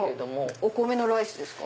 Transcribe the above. お米のライスですか？